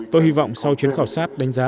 tôi hy vọng sau chuyến khảo sát đánh giá